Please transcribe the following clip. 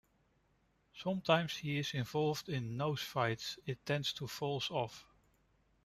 Sometimes he is involved in nose fights it tends to falls off.